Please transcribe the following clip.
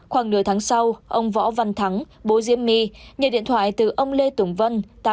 khoảng nửa tháng sau ông võ văn thắng bố diêm my nhờ điện thoại từ ông lê tùng vân